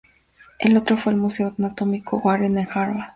El otro fue al Museo Anatómico Warren en Harvard.